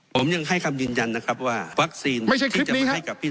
ผมยังให้คำยืนยันนะครับว่าวัคซีนไม่ใช่คลิปนี้ครับ